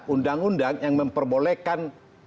undang undang yang memperbolehkan